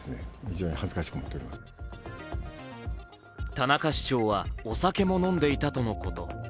田中市長はお酒も飲んでいたとのこと。